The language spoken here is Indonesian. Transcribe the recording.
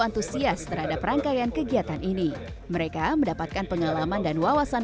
antusias terhadap rangkaian kegiatan ini mereka mendapatkan pengalaman dan wawasan